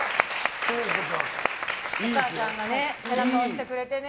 お母さんが背中を押してくれてね。